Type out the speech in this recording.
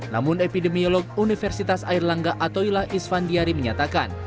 namun epidemiolog universitas air langga atoilah isfandiari menyatakan